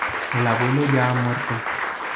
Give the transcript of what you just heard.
El abuelo ya ha muerto.